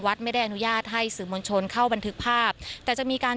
ไม่ได้อนุญาตให้สื่อมวลชนเข้าบันทึกภาพแต่จะมีการ